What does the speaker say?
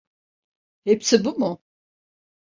Hepsi bu mu?